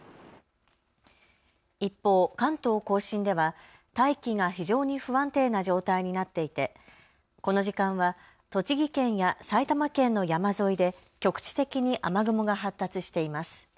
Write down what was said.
一方、関東甲信では大気が非常に不安定な状態になっていてこの時間は栃木県や埼玉県の山沿いで局地的に雨雲が発達しています。